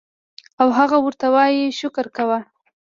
او هغه ورته وائي شکر کوه